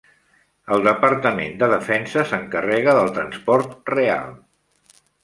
El departament de Defensa s'encarrega del transport real.